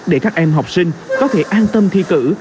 để các em học sinh có thể an tâm thi cử